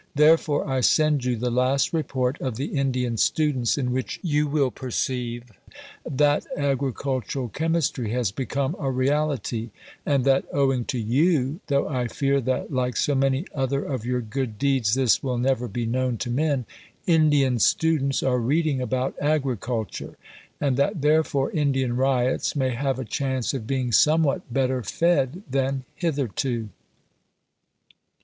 Therefore I send you the last report of the Indian Students, in which you will perceive that agricultural chemistry has become a reality; and that, owing to YOU (though I fear that, like so many other of your good deeds, this will never be known to men), Indian Students are reading about agriculture, and that therefore Indian Ryots may have a chance of being somewhat better fed than hitherto."